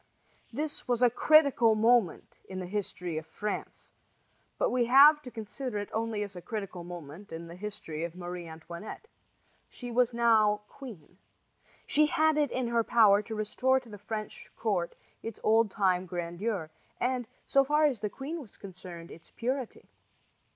This was a critical moment in the history of France; but we have to consider it only as a critical moment in the history of Marie Antoinette. She was now queen. She had it in her power to restore to the French court its old time grandeur, and, so far as the queen was concerned, its purity.